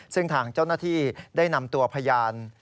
ซึ่งทางเจ้าหน้าที่ได้นำตัวพยาน